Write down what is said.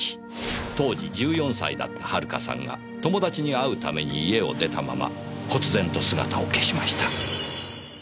当時１４歳だった遥さんが友達に会うために家を出たままこつぜんと姿を消しました。